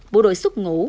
bộ đội xuất ngủ